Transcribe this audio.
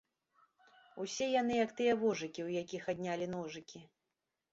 Усе яны, як тыя вожыкі, у якіх аднялі ножыкі.